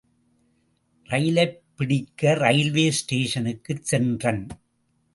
ரயிலைப் பிடிக்க ரயில்வே ஸ்டேஷனுக்குச் சென்றன்.